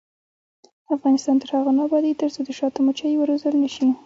افغانستان تر هغو نه ابادیږي، ترڅو د شاتو مچۍ وروزل نشي.